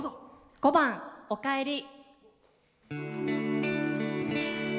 ５番「おかえり」。